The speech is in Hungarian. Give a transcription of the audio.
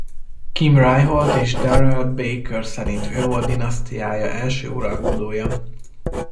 Kim Ryholt és Darrell Baker szerint ő volt dinasztiája első uralkodója.